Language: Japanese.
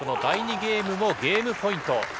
ゲームもゲームポイント。